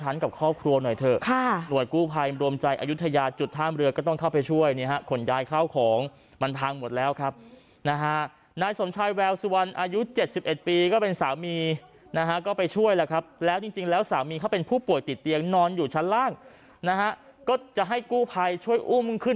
หนะครับก็ไปช่วยแล้วครับแล้วจริงจริงแล้วสามีเขาเป็นผู้ป่วยติดเตียงนอนอยู่ชั้นล่างนะครับก็จะให้กู้ภัยช่วยอุ้มเขิน